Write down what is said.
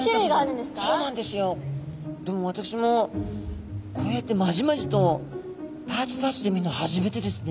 でも私もこうやってまじまじとパーツパーツで見るの初めてですね。